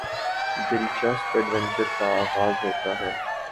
دلچسپ ایڈونچر کا آغاز ہوتا ہے